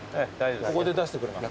ここで出してくれます。